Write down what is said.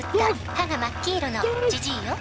「歯が真っ黄色のジジイよ」